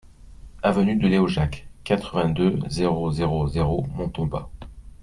Avenue de Léojac, quatre-vingt-deux, zéro zéro zéro Montauban